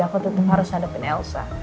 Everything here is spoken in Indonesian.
aku tentu harus hadapin elsa